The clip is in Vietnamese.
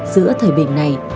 giữa thời bình này